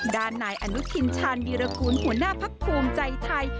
ด้านนายอนุทินชาญวีรกูลหัวหน้าพักภูมิใจไทย